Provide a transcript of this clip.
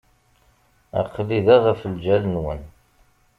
Aql-i da ɣef lǧal-nwen.